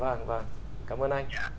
vâng vâng cảm ơn anh